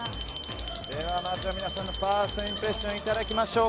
まずは皆さんのファーストインプレッションいただきましょう。